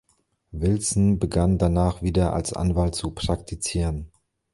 Wilson begann danach wieder als Anwalt zu praktizieren.